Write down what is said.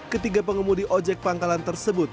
ketiga pengemudi ojek pangkalan tersebut